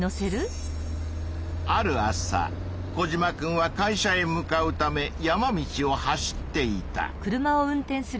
ある朝コジマくんは会社へ向かうため山道を走っていた。